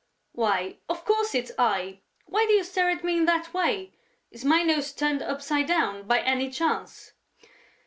"Why, of course, it's I!... Why do you stare at me in that way?... Is my nose turned upside down, by any chance?"